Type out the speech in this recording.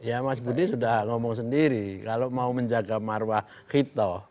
ya mas budi sudah ngomong sendiri kalau mau menjaga marwah hitoh